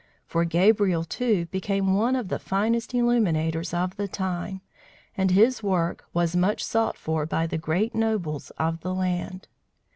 For Gabriel, too, became one of the finest illuminators of the time, and his work was much sought for by the great nobles of the land.